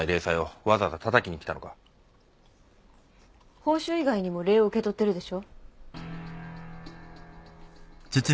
報酬以外にも礼を受け取ってるでしょ？